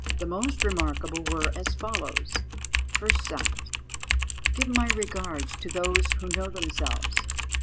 The most remarkable were as follows: First side. "Give my regards to those who know themselves.